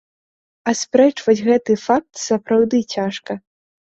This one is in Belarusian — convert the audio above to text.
Аспрэчваць гэты факт сапраўды цяжка.